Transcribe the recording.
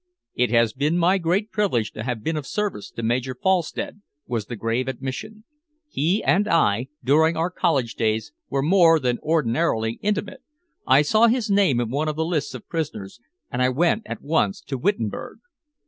"It has been my great privilege to have been of service to Major Felstead," was the grave admission. "He and I, during our college days, were more than ordinarily intimate. I saw his name in one of the lists of prisoners, and I went at once to Wittenberg."